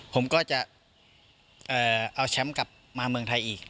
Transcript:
ผมก็จะเอาแชมป์กลับมาเมืองไทยอีก